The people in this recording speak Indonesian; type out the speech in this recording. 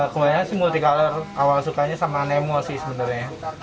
kemudiannya sih multicolor awal sukanya sama nemo sih sebenarnya